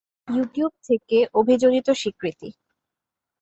YouTube থেকে অভিযোজিত স্বীকৃতি।